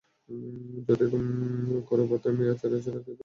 যতই করো বাঁদরামি আরআচার পেড়ে খাও, মা কখনো রাগ করে নাসত্যি জেনে নাও।